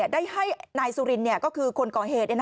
ได้ให้นายสุรินก็คือคนก่อเหตุ